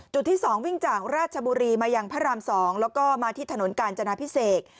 ที่๒วิ่งจากราชบุรีมายังพระราม๒แล้วก็มาที่ถนนกาญจนาพิเศษ